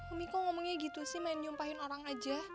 umi kok ngomongnya gitu sih main nyumpahin orang aja